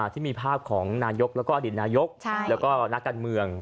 ที่มีภาพของนายกและอดิตนายกและนักการเมือง